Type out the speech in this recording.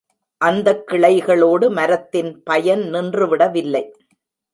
அந்தக் கிளைகளோடு மரத்தின் பயன் நின்று விடவில்லை.